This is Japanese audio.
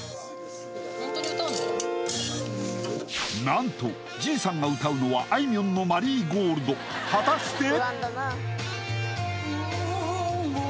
何とじいさんが歌うのはあいみょんの「マリーゴールド」果たして？